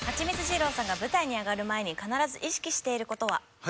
二郎さんが舞台に上がる前に必ず意識している事は？